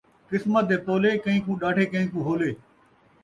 قسمت دے پولے ، کئیں کوں ݙاڈھے کئیں کوں ہولے